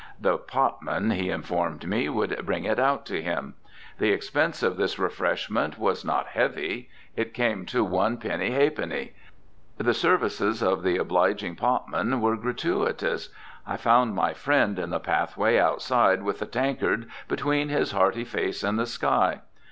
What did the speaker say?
The potman, he informed me, would bring it out to him. The expense of this refreshment was not heavy; it came to one penny ha'penny. The services of the obliging potman were gratuitous. I found my friend in the pathway outside with the tankard between his hearty face and the sky.